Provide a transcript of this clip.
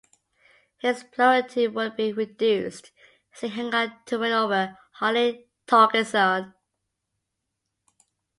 His plurality would be reduced as he hang on to win over Harley Torgerson.